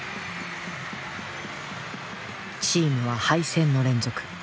チームは敗戦の連続。